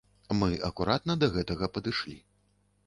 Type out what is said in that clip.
Мы акуратна да гэтага падышлі.